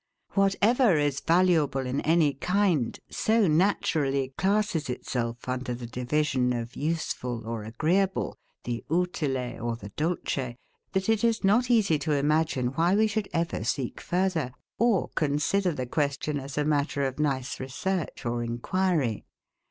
Whatever is valuable in any kind, so naturally classes itself under the division of USEFUL or AGREEABLE, the UTILE or the DULCE, that it is not easy to imagine why we should ever seek further, or consider the question as a matter of nice research or inquiry.